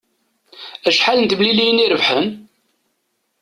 Acḥal n temliliyin i rebḥen?